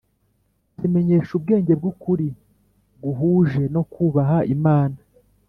kuzimenyesha ubwenge bw’ukuri guhuje no kubaha Imana